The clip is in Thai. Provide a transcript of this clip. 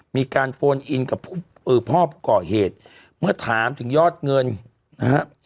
มีการเอือพ่อปกรเหตุเมื่อถามถึงยอดเงินนะฮะ